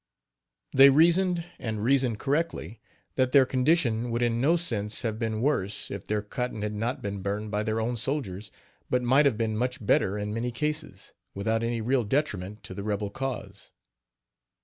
They reasoned, and reasoned correctly, that their condition would in no sense have been worse if their cotton had not been burned by their own soldiers, but might have been much better in many cases, without any real detriment to the rebel cause.